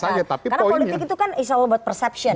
karena politik itu kan is all about perception